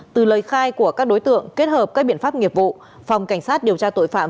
từ lời khai của các đối tượng kết hợp các biện pháp nghiệp vụ phòng cảnh sát điều tra tội phạm